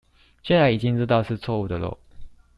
現在已經知道是錯誤的囉